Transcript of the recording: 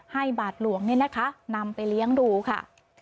บาทหลวงเนี่ยนะคะนำไปเลี้ยงดูค่ะ